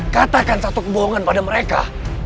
katakan satu kebohongan pada mereka